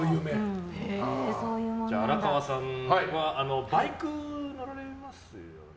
じゃあ、荒川さんはバイク乗られますよね？